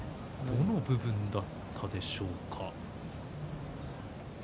どの部分だったでしょうか。